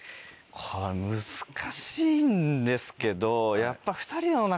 これ難しいんですけどやっぱ。